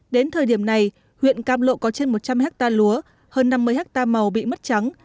đến thời điểm này huyện cam lộ có trên một trăm linh hectare lúa hơn năm mươi hectare màu bị mất trắng